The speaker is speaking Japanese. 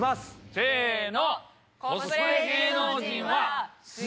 せの！